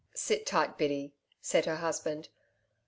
'Sit tight, Biddy,' said her husband.